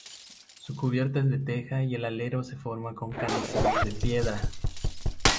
Su cubierta es de teja y el alero se forma con canecillos de piedra.